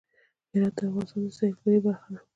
هرات د افغانستان د سیلګرۍ برخه ده.